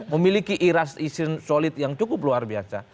memiliki iras isin solid yang cukup luar biasa